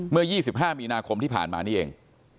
เมื่อ๒๕มีนาคมที่ผ่านมานี่เอง